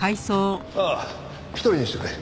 ああ一人にしてくれ。